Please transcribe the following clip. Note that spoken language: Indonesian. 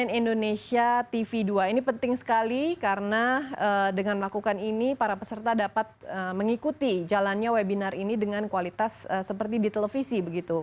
cnn indonesia tv dua ini penting sekali karena dengan melakukan ini para peserta dapat mengikuti jalannya webinar ini dengan kualitas seperti di televisi begitu